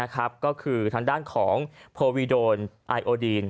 ก็คือทางด้านของโพวีโดนไอโอดีน